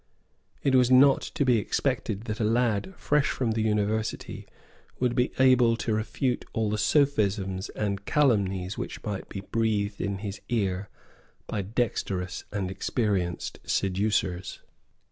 It was not to be expected that a lad fresh from the university would be able to refute all the sophisms and calumnies which might be breathed in his ear by dexterous and experienced seducers.